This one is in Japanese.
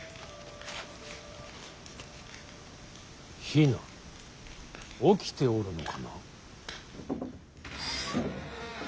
比奈起きておるのかな。